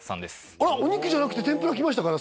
あらお肉じゃなくて天ぷらきましたかね